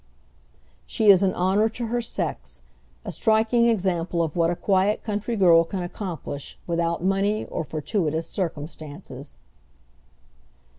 She is an honor to her sex, a striking example of what a quiet country girl can accomplish without money or fortuitous circumstances.